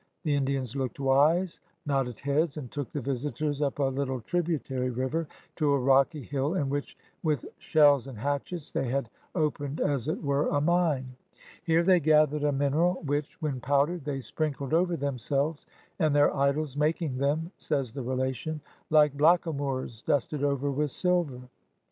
The Indians looked wise, nodded heads, and took the visitors up a little tributary river to a rocky hill in which ''with shells and hatchets'' they had opened as it were a mine. Here they gathered a mineral which, when powdered, they sprinkled over themselves and their idols ''making them,'* says the relation, "like blackamoors dusted over with silver."